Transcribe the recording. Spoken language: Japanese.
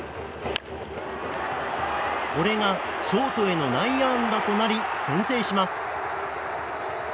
これがショートへの内野安打となり先制します。